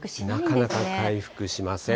なかなか回復しません。